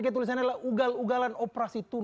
kita sebagai masyarakat